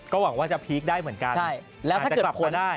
ก็หวังว่าจะพีคได้เหมือนกันอาจจะกลับมาได้